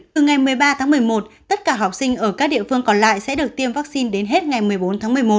từ ngày một mươi ba tháng một mươi một tất cả học sinh ở các địa phương còn lại sẽ được tiêm vaccine đến hết ngày một mươi bốn tháng một mươi một